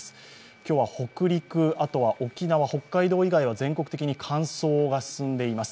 今日は北陸、沖縄、北海道以外は全国的に乾燥が進んでいます。